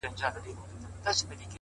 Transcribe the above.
ستا له خندا سره خبري كوم.!